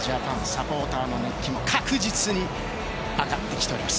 サポーターの熱気も確実に上がってきております。